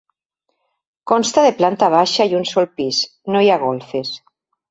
Consta de planta baixa i un sol pis, no hi ha golfes.